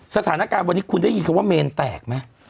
สถานการณ์วันนี้คุณได้ยินคำว่าเมนแตกไหม